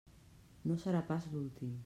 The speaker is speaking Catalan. No serà pas l'últim.